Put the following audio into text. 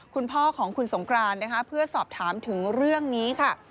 คุณพ่อของคุณสงกรานนะคะเพื่อสอบถามถึงเรื่องนี้ค่ะ